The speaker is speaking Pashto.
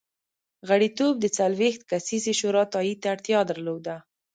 غړیتوب د څلوېښت کسیزې شورا تایید ته اړتیا درلوده